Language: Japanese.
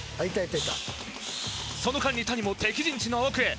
その間に谷も敵陣地の奥へ。